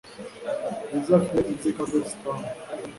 lisa afite inzika kuri stan